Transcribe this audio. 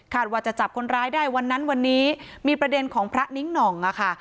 ว่าจะจับคนร้ายได้วันนั้นวันนี้มีประเด็นของพระนิ้งหน่องอะค่ะ